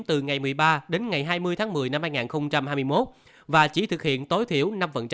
từ ngày một mươi ba đến ngày hai mươi tháng một mươi năm hai nghìn hai mươi một và chỉ thực hiện tối thiểu năm